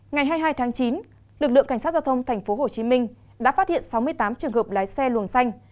ngày hai mươi hai tháng chín lực lượng cảnh sát giao thông tp hcm đã phát hiện sáu mươi tám trường hợp lái xe luồng xanh